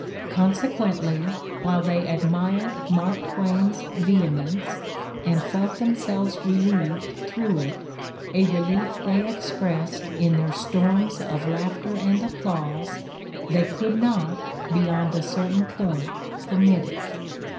Consequently, while they admired Mark Twain's vehemence and felt themselves relieved through it — a relief they expressed in their "storms of laughter and applause," they could not, beyond a cer tain point, permit it.